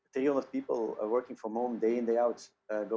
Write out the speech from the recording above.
dengan lebih dari tiga ratus orang yang bekerja dari rumah